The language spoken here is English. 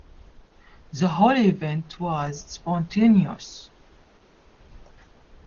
The whole event was spontaneous.